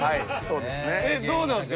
えっどうなんですか？